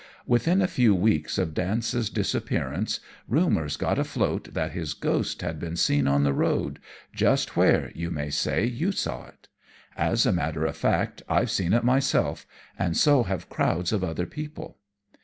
Within a few weeks of Dance's disappearance rumours got afloat that his ghost had been seen on the road, just where, you may say, you saw it. As a matter of fact, I've seen it myself and so have crowds of other people."